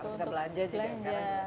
kalau kita belanja juga sekarang ya